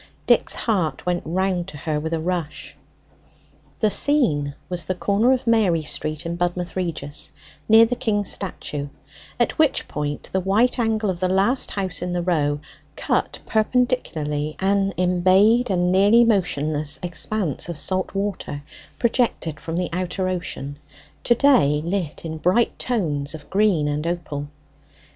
Dick's heart went round to her with a rush. The scene was the corner of Mary Street in Budmouth Regis, near the King's statue, at which point the white angle of the last house in the row cut perpendicularly an embayed and nearly motionless expanse of salt water projected from the outer ocean to day lit in bright tones of green and opal.